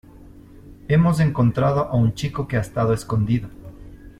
hemos encontrado a un chico que ha estado escondido